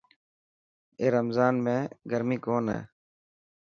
اي رمضان ۾ گرمي ڪون هي.